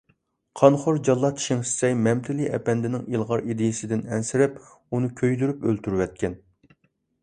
قانخور جاللات شېڭ شىسەي مەمتىلى ئەپەندىنىڭ ئىلغار ئىدىيىسىدىن ئەنسىرەپ، ئۇنى كۆيدۈرۈپ ئۆلتۈرۈۋەتكەن.